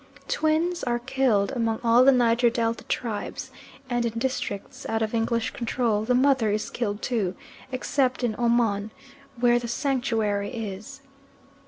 Twins are killed among all the Niger Delta tribes, and in districts out of English control the mother is killed too, except in Omon, where the sanctuary is.